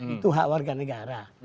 itu hak warga negara